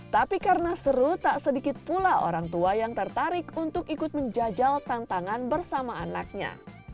tapi karena seru tak sedikit pula orang tua yang tertarik untuk ikut menjajal tantangan bersama anaknya